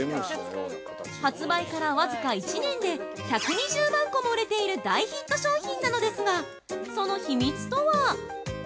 発売から僅か１年で１２０万個も売れている大ヒット商品なのですが、その秘密とは？